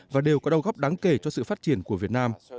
và đều có đồng góp đáng kể cho sự phát triển của việt nam